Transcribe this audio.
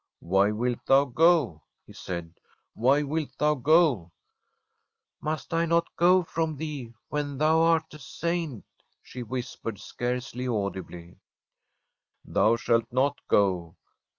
' Why wilt thou go ?' he said. ' Why wilt thou go ?' 'Must I not go from thee when thou art a Saint ?* she whispered scarcely audibly. ' Thou shalt not go.